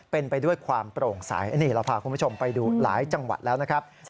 เป็นไปด้วยความโปร่งใสอันนี้เราพาคุณผู้ชมไปดูหลายจังหวัดแล้วนะครับ